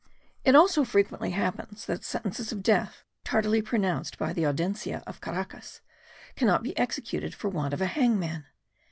It also frequently happens that sentences of death, tardily pronounced by the Audiencia of Caracas, cannot be executed for want of a hangman.